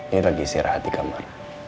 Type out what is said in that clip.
ini lagi istirahat di kamar